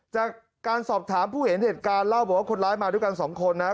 จากการสอบถามผู้เห็นเหตุการณ์เล่าบอกว่าคนร้ายมาด้วยกันสองคนนะ